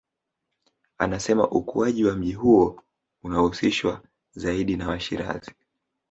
Anasema ukuaji wa mji huo unahusishwa zaidi na Washirazi